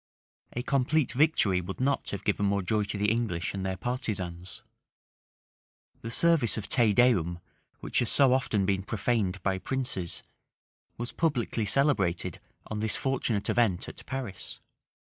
A complete victory would not have given more joy to the English and their partisans. The service of Te Deum, which has so often been profaned by princes, was publicly celebrated on this fortunate event at Paris.